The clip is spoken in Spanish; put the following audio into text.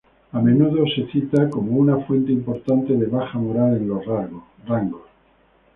A menudo se cita como una fuente importante de baja moral en los rangos.